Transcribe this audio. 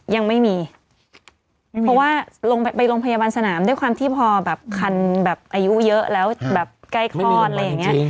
ยังไม่มีเพราะว่าลงไปโรงพยาบาลสนามด้วยความที่พอแบบคันแบบอายุเยอะแล้วแบบใกล้คลอดอะไรอย่างนี้